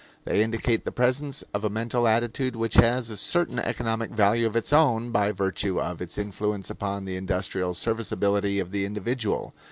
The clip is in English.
They indicate the presence of a mental attitude which has a certain economic value of its own by virtue of its influence upon the industrial serviceability of the individual.